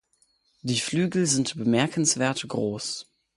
Die Flügel sind bemerkenswert groß.